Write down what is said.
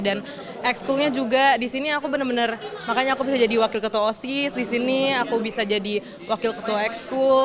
dan ekskulnya juga disini aku benar benar makanya aku bisa jadi wakil ketua osis disini aku bisa jadi wakil ketua ekskul